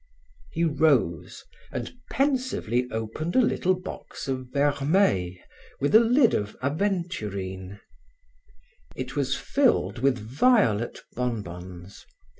He rose and pensively opened a little box of vermeil with a lid of aventurine. It was filled with violet bonbons.